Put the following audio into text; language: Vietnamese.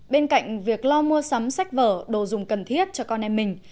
bên cạnh việc lo mua sắm sách vở đồ dùng cần thiết cho con em mình